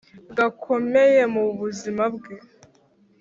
gakomeye mu buzima bwawe!